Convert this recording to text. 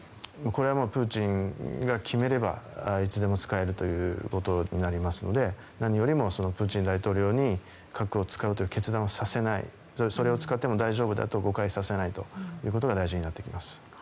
これはプーチンが決めればいつでも使えるということになるので何よりもプーチン大統領に核を使うという決断をさせないそれを使っても大丈夫だと誤解させないことが大事になってきます。